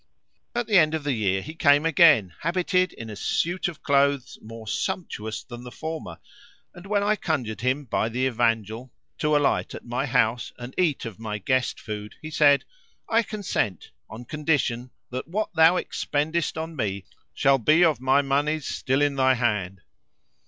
At the end of the year he came again, habited in a suit of clothes more sumptuous than the former; and, when I conjured him by the Evangel to alight at my house and eat of my guest food, he said, "I consent, on condition that what thou expendest on me shall be of my monies still in thy hands.